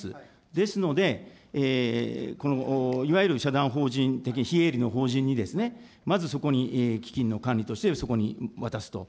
ですので、いわゆる社団法人的非営利の法人にですね、まずそこに基金の管理として、そこに渡すと。